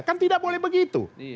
kan tidak boleh begitu